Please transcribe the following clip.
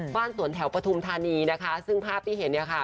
สวนแถวปฐุมธานีนะคะซึ่งภาพที่เห็นเนี่ยค่ะ